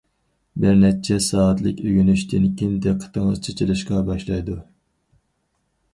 بىر نەچچە سائەتلىك ئۆگىنىشتىن كېيىن دىققىتىڭىز چېچىلىشقا باشلايدۇ.